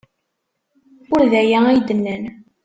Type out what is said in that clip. Ur d aya ay d-nnan.